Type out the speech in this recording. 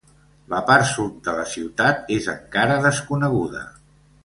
La part sud de la ciutat és encara desconeguda.